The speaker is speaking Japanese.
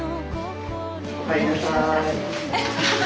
おかえりなさい。